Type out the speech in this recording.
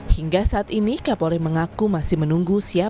hingga saat ini kapolri mengaku masih menunggu siapa